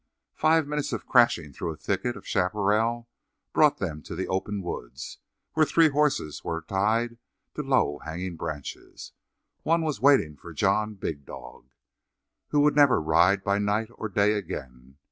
Five minutes of crashing through a thicket of chaparral brought them to open woods, where three horses were tied to low hanging branches. One was waiting for John Big Dog, who would never ride by night or day again.